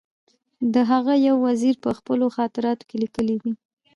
د هغه یو وزیر په خپلو خاطراتو کې لیکلي دي.